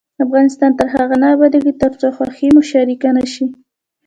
افغانستان تر هغو نه ابادیږي، ترڅو خوښي مو شریکه نشي.